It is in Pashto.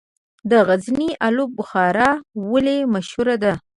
د غزني الو بخارا ولې مشهوره ده؟